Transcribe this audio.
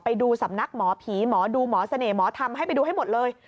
ไปดูสำนักหมอผีหมอดูหมอเสน่ห์หมอธรรมให้ไปดูให้หมดเลย